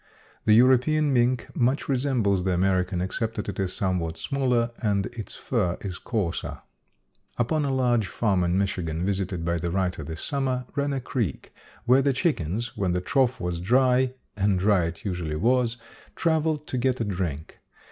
The European mink much resembles the American, except that it is somewhat smaller and its fur is coarser. Upon a large farm in Michigan visited by the writer this summer ran a creek where the chickens, when the trough was dry and dry it usually was traveled to get a drink.